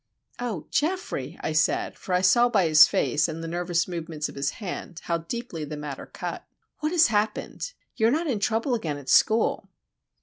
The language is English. "Oh, Geoffrey!" I said; for I saw by his face and the nervous movements of his hand how deeply the matter cut. "What has happened? You're not in trouble again at school?"